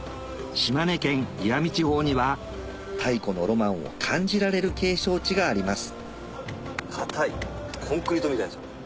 島根県石見地方には太古のロマンを感じられる景勝地があります硬いコンクリートみたいです。